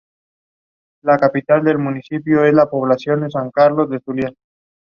Therefore "Ali asker idir" turns into "Ali askerdir".